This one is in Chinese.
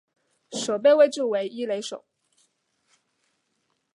守备位置为一垒手。